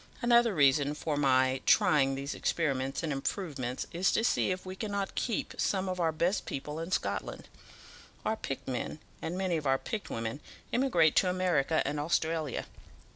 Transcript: Another reason for my trying these experiments and improvements is to see if we cannot keep some of our best people in Scotland. Our picked men, and many of our picked women, emigrate to America and Australia.